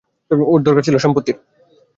ওর দরকার ছিল সম্পত্তির।